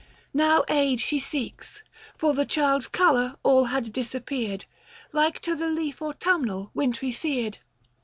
Now aid she seeks, For the child's colour all had disappeared, Like to the leaf autumnal wintry seared.